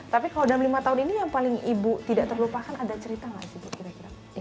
tapi kalau dalam lima tahun ini yang paling ibu tidak terlupakan ada cerita nggak sih bu kira kira